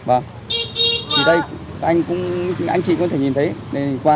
anh chị cũng có thể nhìn thấy qua với cả voc này lấy cả voc nữa